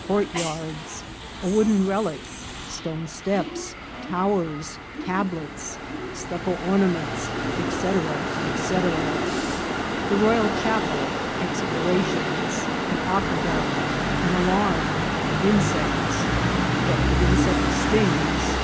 — Courtyards. — A wooden Relic.— Stone Steps. — Towers. — Tablets. —Stucco Ornaments, &c., &c. — The Royal Chapel. — Explorations. — An Aque duct.—An Alarm. — Insects. — Effect of Insect Stings.